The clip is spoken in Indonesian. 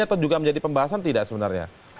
atau juga menjadi pembahasan tidak sebenarnya